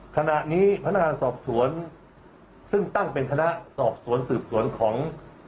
ขณะนี้พนักงานสอบสวนซึ่งตั้งเป็นคณะสอบสวนสืบสวนของ